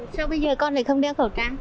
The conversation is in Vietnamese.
sao bây giờ con lại không có khẩu trang